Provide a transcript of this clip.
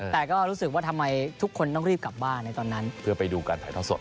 แต่ก็รู้สึกว่าทำไมทุกคนต้องรีบกลับบ้านในตอนนั้นเพื่อไปดูการถ่ายท่อสด